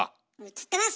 映ってます！